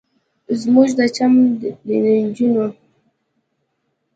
زموږ د چم د نجونو